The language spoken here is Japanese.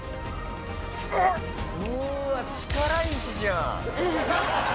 うわ力石じゃん。